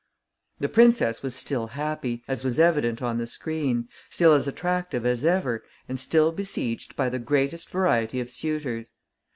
The princess was still happy, as was evident on the screen, still as attractive as ever and still besieged by the greatest variety of suitors.